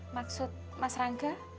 maksud mas rangga